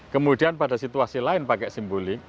kemudian pada situasi lain pakai simbolik